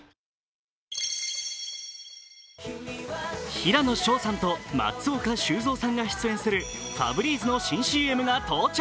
平野紫耀さんと松岡修造さんが出演するファブリーズの新ＣＭが到着。